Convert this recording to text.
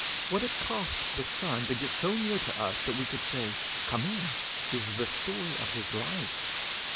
What it cost the Son to get so near to us that we could say Come in, is the story of his life.